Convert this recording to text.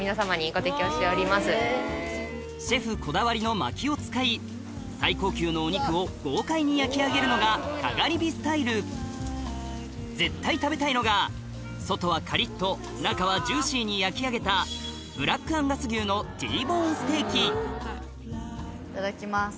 シェフこだわりのまきを使い最高級のお肉を豪快に焼き上げるのがＫＡＧＡＲＩＢＩスタイル絶対食べたいのが外はカリっと中はジューシーに焼き上げたブラックアンガス牛のＴボーンステーキいただきます。